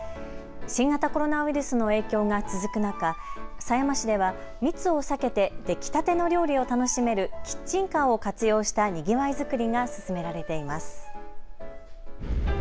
新型コロナウイルスの影響が続く中、狭山市では密を避けてできたての料理を楽しめるキッチンカーを活用したにぎわい作りが進められています。